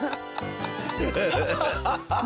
ハハハハッ。